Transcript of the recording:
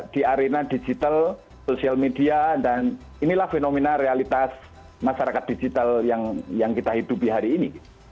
di arena digital sosial media dan inilah fenomena realitas masyarakat digital yang kita hidupi hari ini